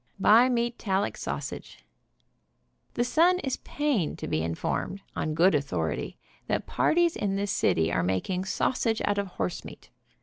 BI MEATALLIC SAUSAGE. The Sun is pained to be informed, on good author ity, that parties in this city are making sausage out of horsemeat.